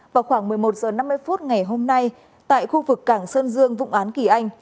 vào khoảng một mươi một h năm mươi phút ngày hôm nay tại khu vực cảng sơn dương vụng án kỳ anh